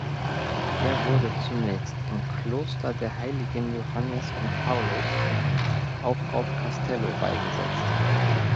Er wurde zunächst im "Kloster der Heiligen Johannes und Paulus" auch auf Castello beigesetzt.